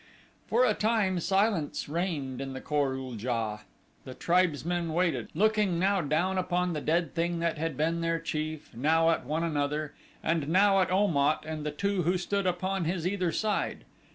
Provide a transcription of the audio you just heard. For a time silence reigned in the Kor ul JA. The tribesmen waited, looking now down upon the dead thing that had been their chief, now at one another, and now at Om at and the two who stood upon his either side.